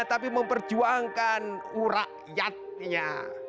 tapi memperjuangkan urakyatnya